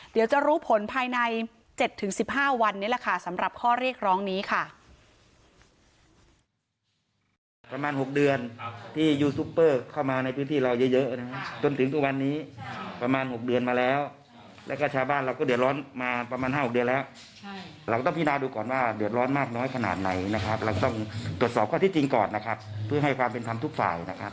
เดี๋ยวจะรู้ผลภายใน๗๑๕วันนี้แหละค่ะสำหรับข้อเรียกร้องนี้ค่ะ